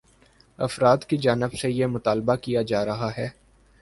افراد کی جانب سے یہ مطالبہ کیا جا رہا ہے